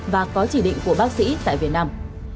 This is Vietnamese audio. và có chỉ định của bác sĩ tại việt nam